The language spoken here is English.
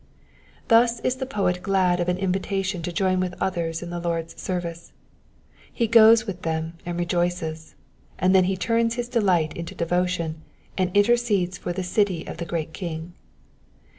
Thus is the poet glad of an invitation to join with others in the Lord's service. He goes with them and rejoices, and then he turns his delight into devotion, and intercedes for the city of the great King.